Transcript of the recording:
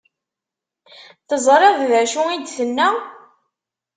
Teẓriḍ d acu i d-tenna?